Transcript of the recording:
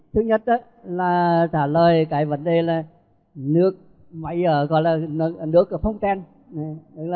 thứ nhất là trả lời cái vấn đề là nước mấy giờ gọi là nước phong trang